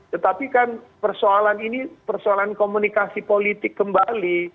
tetapi kan persoalan ini persoalan komunikasi politik kembali